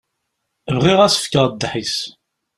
Bɣiɣ ad s-fkeɣ ddḥis.